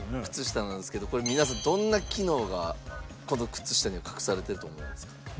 靴下なんですけどこれ皆さんどんな機能がこの靴下には隠されてると思いますか？